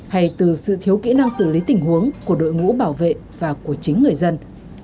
hay từ sự thiếu kỹ năng xử lý tình huống của đội ngũ bảo vệ và của chính người dân